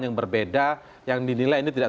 yang berbeda yang dinilai ini tidak